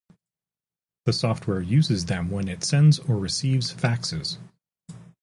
The software uses them when it sends or receives faxes.